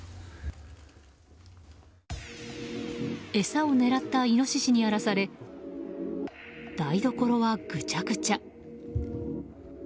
餌を狙ったイノシシに荒らされ台所はぐちゃぐちゃ。